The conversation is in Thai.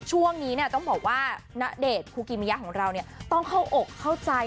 ช่วงนี้ต้องบอกว่าณเดชน์คูกิมิยะของเราต้องเข้าอกเข้าใจ